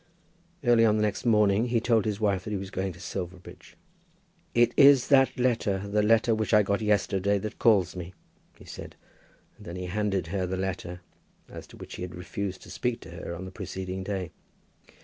Early on the next morning, he told his wife that he was going into Silverbridge. "It is that letter, the letter which I got yesterday that calls me," he said. And then he handed her the letter as to which he had refused to speak to her on the preceding day.